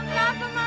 mak kenapa mak